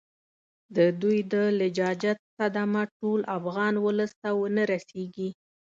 د دوی د لجاجت صدمه ټول افغان اولس ته ونه رسیږي.